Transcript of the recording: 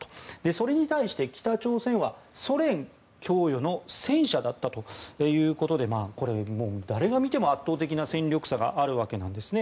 それに対して北朝鮮はソ連供与の戦車だったということでこれ、誰が見ても圧倒的な戦略差があるわけなんですね。